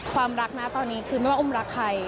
ความรักนะตอนนี้คือไม่ว่าอุ้มรักใคร